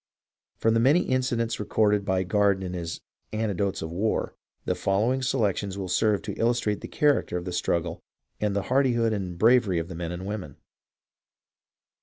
From the many incidents recorded by Garden in his "Anecdotes of the War," the following selections will serve to illustrate the character of the struggle and the hardihood and bravery of the men and women.